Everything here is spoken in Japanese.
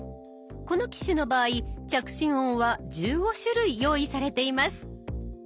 この機種の場合着信音は１５種類用意されています。